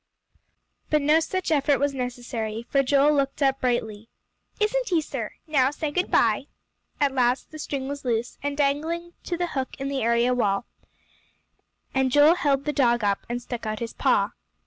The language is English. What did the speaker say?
But no such effort was necessary, for Joel looked up brightly. "Isn't he, sir? Now say good bye." At last the string was loose, and dangling to the hook in the area wall, and Joel held the dog up, and stuck out his paw.